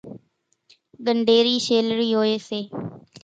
ڳنڍيرِي شيلرِي هوئيَ سي۔